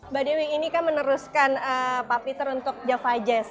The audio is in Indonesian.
mbak dewi meneruskan pak peter untuk java jazz